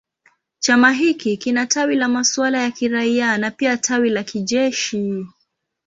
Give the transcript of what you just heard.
Chama hiki kina tawi la masuala ya kiraia na pia tawi la kijeshi.